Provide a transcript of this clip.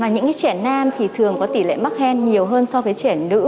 những trẻ nam thì thường có tỷ lệ mắc hen nhiều hơn so với trẻ nữ